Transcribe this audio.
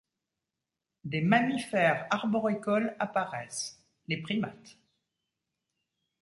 Des mammifères arboricoles apparaissent, les primates.